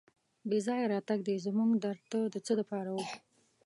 بې ځایه راتګ دې زموږ در ته د څه لپاره و.